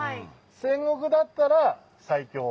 戦国だったら最強。